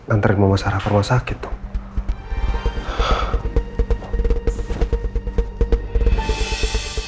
anterin mau ke rumah sakit tuh